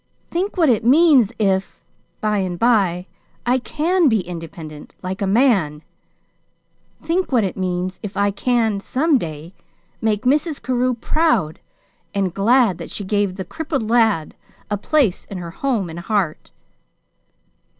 Think what it means if, by and by, I can be independent, like a man. Think what it means if I can, some day, make Mrs. Carew proud and glad that she gave the crippled lad a place in her home and heart.